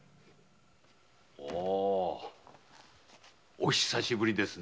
お久しぶりですね。